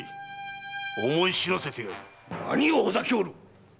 何をほざきおる！